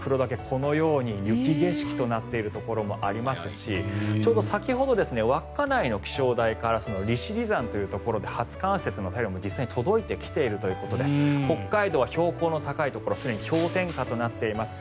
このように雪景色となっているところもありますしちょうど先ほど稚内の気象台から利尻山というところで初冠雪の便りも実際に届いてきているというところで北海道は標高の高いところすでに氷点下となっています。